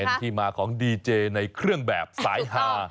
เป็นที่มาของดีเจในเครื่องแบบสายฮา